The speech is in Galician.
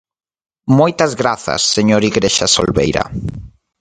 Moitas grazas, señor Igrexa Solbeira.